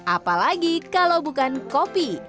apalagi kalau bukan kopi